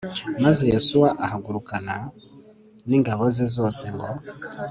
Maze yosuwa ahagurukana n ingabo ze zose ngo